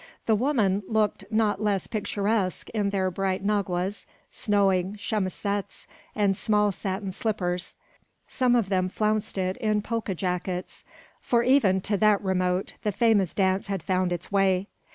The women looked not less picturesque in their bright naguas, snowy chemisettes, and small satin slippers. Some of them flounced it in polka jackets; for even to that remote region the famous dance had found its way.